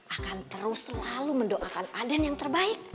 akan terus selalu mendoakan aden yang terbaik